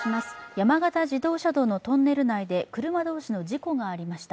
山形自動車道のトンネル内で車同士の事故がありました。